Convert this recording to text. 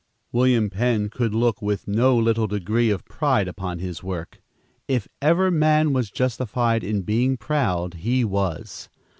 William Penn could look with no little degree of pride upon his work. If ever man was justified in being proud, he was.